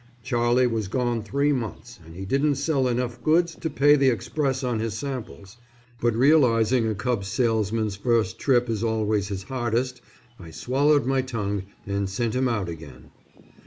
Charlie was gone three months and he didn't sell enough goods to pay the express on his samples, but realizing a cub salesman's first trip is always his hardest, I swallowed my tongue and sent him out again.